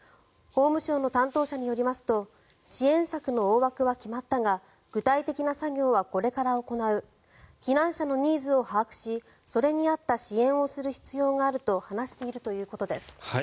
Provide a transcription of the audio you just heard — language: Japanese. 法務省の担当者によりますと支援策の大枠は決まったが具体的な作業はこれから行う避難者のニーズを把握しそれに合った支援を必要があると話しているということです。